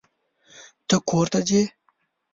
ته کور ته ځې.